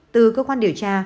từ cơ quan điều tra